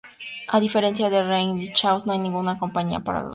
A diferencia de Reign of Chaos, no hay ninguna campaña con los Orcos.